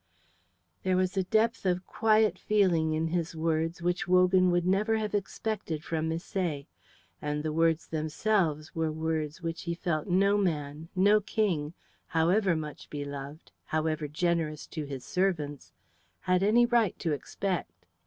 There was a depth of quiet feeling in his words which Wogan would never have expected from Misset; and the words themselves were words which he felt no man, no king, however much beloved, however generous to his servants, had any right to expect.